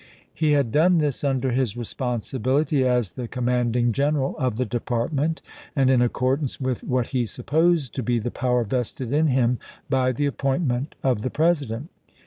He had done this under his responsibility as the command ing general of the department, and in accordance with what he supposed to be the power vested in him by the appointment of the President.